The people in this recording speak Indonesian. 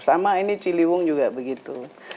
sama ini ciliwung juga begitu